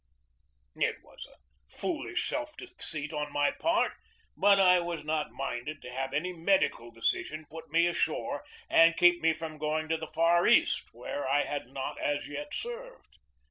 It was a foolish self deceit on my part, but I was not minded to have any medical decision put me ashore and keep me from going to the Far East? where I had not as yet served.